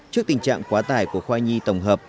trước tình trạng quá tải của khoa nhi tổng hợp